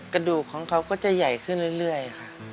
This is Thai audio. กระดูกของเขาก็จะใหญ่ขึ้นเรื่อยค่ะ